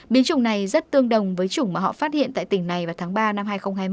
biến chủng này rất tương đồng với chủng mà họ phát hiện tại tỉnh này vào tháng ba năm hai nghìn hai mươi